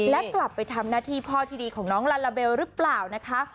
และกลับไปทำหน้าที่พ่อที่ดีของน้องลาลาเบลหรือเปล่านะคะ